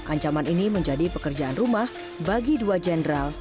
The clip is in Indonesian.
ancaman ini menjadi pekerjaan rumah bagi dua jenderal